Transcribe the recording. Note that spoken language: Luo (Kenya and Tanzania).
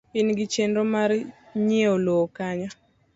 In gi chenro mar nyieo lowo Kanye?